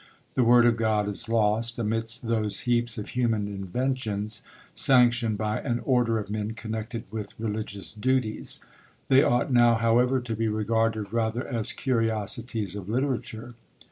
The word of God is lost amidst those heaps of human inventions, sanctioned by an order of men connected with religious duties; they ought now, however, to be regarded rather as CURIOSITIES OF LITERATURE.